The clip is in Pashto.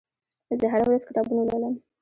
زه هره ورځ کتابونه لولم.